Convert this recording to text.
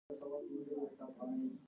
د سوېلي افریقا اپارټایډ رژیم حکومت وهڅاوه.